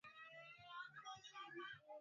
lakini uhusiano huo umeanza kuwa mgumu